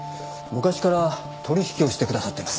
昔から取引をしてくださってます。